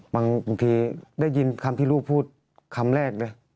บางทีได้ยินคำที่ลูกพูดคำแรกเลย